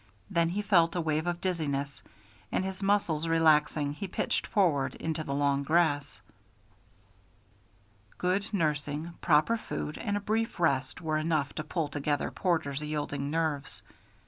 Then he felt a wave of dizziness, and, his muscles relaxing, he pitched forward into the long grass. Good nursing, proper food, and a brief rest were enough to pull together Porter's yielding nerves.